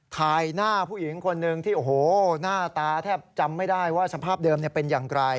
ถ่ายหน้าผู้หญิงคนหนึ่งที่โอ้โหหน้าตาแทบจำไม่ได้ว่าสภาพเดิมเป็นอย่างไร